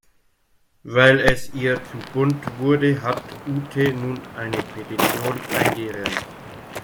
Weil es ihr zu bunt wurde, hat Ute nun eine Petition eingereicht.